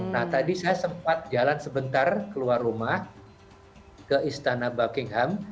nah tadi saya sempat jalan sebentar keluar rumah ke istana buckingham